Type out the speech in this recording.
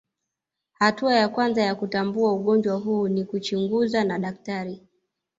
Hatua ya kwanza ya kutambua ugonjwa huu ni kuchunguzwa na daktari